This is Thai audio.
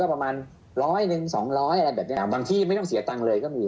บางทีไม่ต้องเสียตังเลย